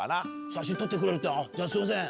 写真撮ってくれるってじゃあすいません。